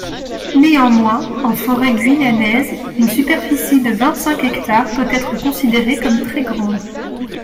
Néanmoins, en forêt guyanaise, une superficie de vingt-cinq hectares peut être considérée comme très grande.